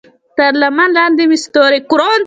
تر لمن لاندې مې ستوري